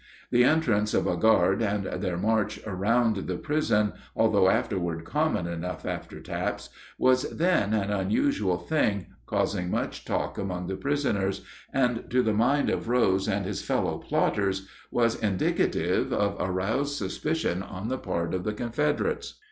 The entrance of a guard and their march around the prison, although afterward common enough after taps, was then an unusual thing, causing much talk among the prisoners, and to the mind of Rose and his fellow plotters was indicative of aroused suspicion on the part of the Confederates.